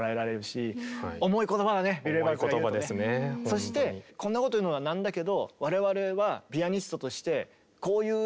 そしてこんなこと言うのはなんだけど我々はえ！